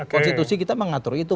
konstitusi kita mengatur itu